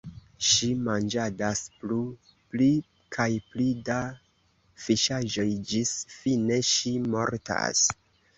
Ŝi manĝadas plu, pli kaj pli da fiŝaĵoj, ĝis fine ŝi – mortas.